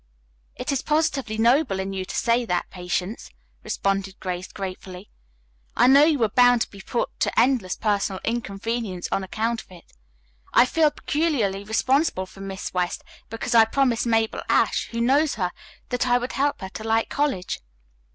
"It is positively noble in you to say that, Patience," responded Grace gratefully. "I know you are bound to be put to endless personal inconvenience on account of it. I feel peculiarly responsible for Miss West, because I promised Mabel Ashe, who knows her, that I would help her to like college.